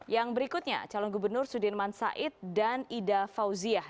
yang berikutnya calon gubernur sudirman said dan ida fauziah